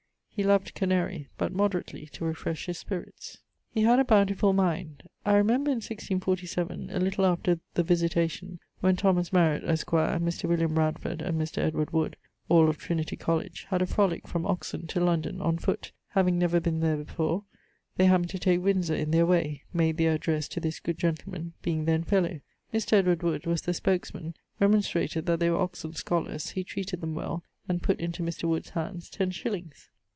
He loved Canarie; but moderately, to refresh his spirits. He had a bountifull mind. I remember in 1647, a little after the Visitation, when Thomas Mariett, esq., Mr. William Radford, and Mr. Edward Wood (all of Trinity College) had a frolique from Oxon to London, on foot, having never been there before, they happened to take Windsore in their way, made their addresse to this good gentleman, being then fellow. Mr. Edward Wood was the spookes man, remonstrated that they were Oxon scholars: he treated them well, and putt into Mr. Wood's hands ten shillings.